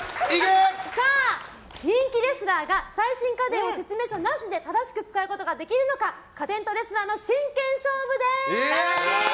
人気レスラーが最新家電を説明書なしで正しく使うことができるのか家電とレスラーの真剣勝負です！